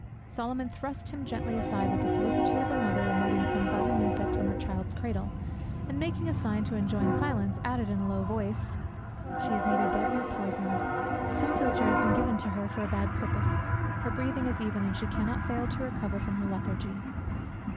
Solomon thrust him gently aside with the solicitude of a mother removing some buzzing insect from her child's cradle, and, making a sign to enjoin silence, added in a low voice, "She is neither dead nor poisoned. Some philtre has been given to her for a bad purpose. Her breathing is even, and she cannot fail to recover from her lethargy."